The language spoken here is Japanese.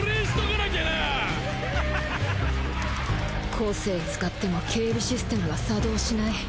個性使っても警備システムが作動しない。